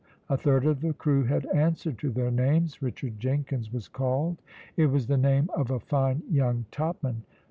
A third of the crew had answered to their names. "Richard Jenkins" was called. It was the name of a fine young topman.